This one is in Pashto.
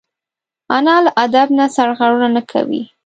انا له ادب نه سرغړونه نه کوي